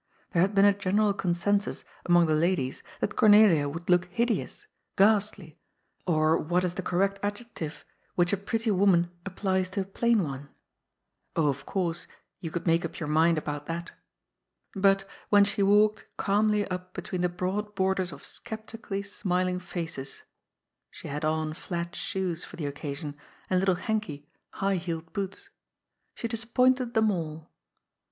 There had been a general consensus among the ladies that Cornelia would look " hideous,'' " ghastly "—or what is the correct adjective which a pretty woman applies to a plain one ? Oh, of course ; you could make up your mind about that. But, when she walked calmly up between the broad borders of skeptically smiling faces (she had on flat shoes for the occasion, and little Henky high heeled boots), she disappointed them all.